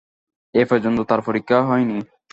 এ পর্যন্ত তার পরীক্ষা হয় নি।